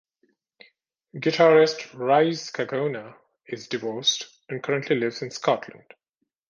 Guitarist Rise Kagona is divorced and currently lives in Scotland.